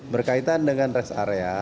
berkaitan dengan res area